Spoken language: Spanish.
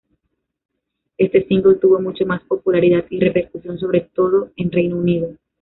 Este single tuvo mucho más popularidad y repercusión sobre todo en Reino Unido.